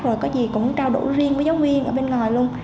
rồi có gì cũng trao đổi riêng với giáo viên ở bên ngoài luôn